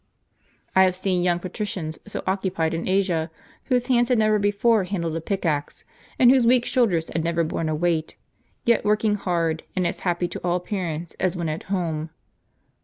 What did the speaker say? I have seen young patricians so occupied in Asia, whose hands had never before handled a pickaxe, and whose weak shoulders had never p n n borne a weight, yet working hard, and as happy, to all appear ance, as when at home.